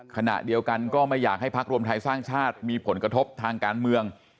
ขณะเดียวกันก็ไม่อยากให้พักรวมไทยสร้างชาติมีผลกระทบทางการเมือง